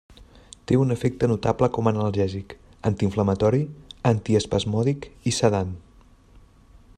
Té un efecte notable com analgèsic, antiinflamatori, antiespasmòdic i sedant.